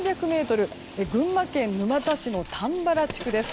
群馬県沼田市の玉原地区です。